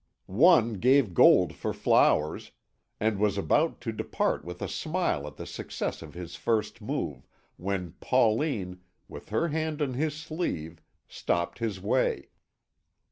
One gave gold for flowers, and was about to depart with a smile at the success of his first move, when Pauline, with her hand on his sleeve, stopped his way.